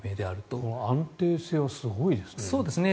この安定性はすごいですね。